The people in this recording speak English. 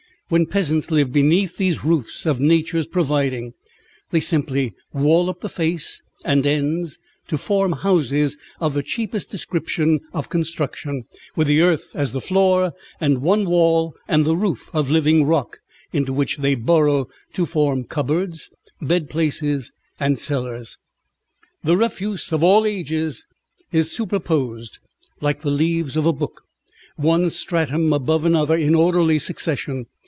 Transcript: When peasants live beneath these roofs of nature's providing, they simply wall up the face and ends to form houses of the cheapest description of construction, with the earth as the floor, and one wall and the roof of living rock, into which they burrow to form cupboards, bedplaces, and cellars. The refuse of all ages is superposed, like the leaves of a book, one stratum above another in orderly succession.